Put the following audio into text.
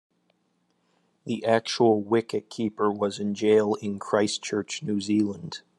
The actual wicket-keeper was in Jail in Christchurch, New Zealand.